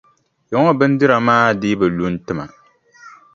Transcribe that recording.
Yaŋɔ bindira maa dii bi lu n-ti ma.